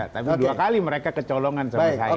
tapi dua kali mereka kecolongan sama saya